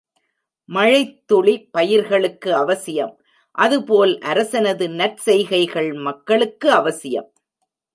மழைத்துளி பயிர்களுக்கு அவசியம் அதுபோல் அரசனது நற்செய்கைகள் மக்களுக்கு அவசியம்.